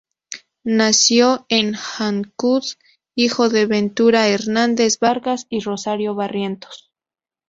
Nació en Ancud, hijo de Ventura Hernández Vargas y Rosario Barrientos.